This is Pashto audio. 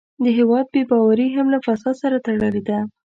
د هېواد بې باوري هم له فساد سره تړلې ده.